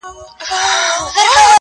په دربار کي په نارو سوه په ځغستا سوه-